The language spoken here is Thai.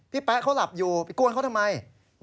แป๊ะเขาหลับอยู่ไปกวนเขาทำไม